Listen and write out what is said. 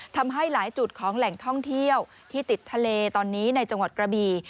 ทำให้หลายจุดของแหล่งท่องเที่ยวที่ติดทะเลตอนนี้ในจังหวัดกระบี